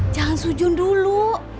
jangan sujun dulu